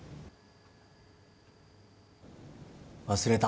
忘れた。